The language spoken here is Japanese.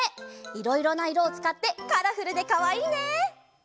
いろいろないろをつかってカラフルでかわいいね！